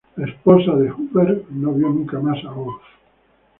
La esposa de Huber no vio nunca más a Orff.